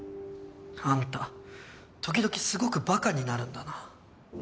あんた時々すごくバカになるんだな。